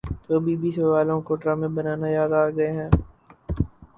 تو B B C والوں کو ڈرامے بنانا یاد آگئے ہیں